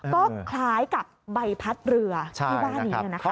ก็คล้ายกับใบพัดเรือที่บ้านนี้นะครับ